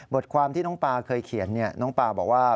ความที่น้องปลาเคยเขียนน้องปลาบอกว่า